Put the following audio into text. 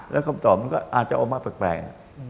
แล้วคำตอบมันก็อาจจะออกมาแปลก